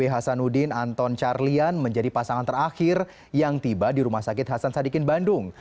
hasan udin dan anton carlyan menjadi pasangan terakhir yang tiba di rumah sakit hasan sadikin bandung